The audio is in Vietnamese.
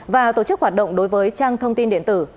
và tổ chức hoạt động đối với trang thông tin điện tử